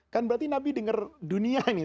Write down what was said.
kan berarti nabi denger dunia ini tangisan